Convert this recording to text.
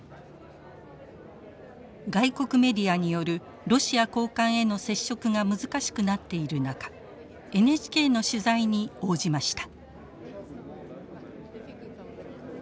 外国メディアによるロシア高官への接触が難しくなっている中ＮＨＫの取材に応じました。